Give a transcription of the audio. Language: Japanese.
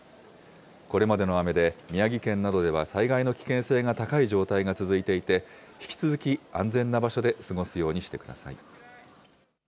これまでの雨で、宮城県などでは災害の危険性が高い状態が続いていて、引き続き安全な場所で過ごすようにしてください。